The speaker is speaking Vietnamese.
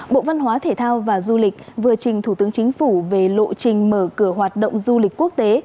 bộ văn hóa thể thao và du lịch vừa trình thủ tướng chính phủ về lộ trình mở cửa hoạt động du lịch quốc tế